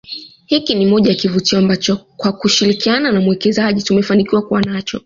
Hiki ni moja ya kivutio ambacho kwa kushirikiana na mwekezaji tumefanikiwa kuwa nacho